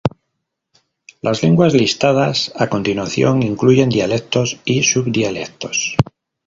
Las lenguas listadas a continuación incluyen dialectos y subdialectos.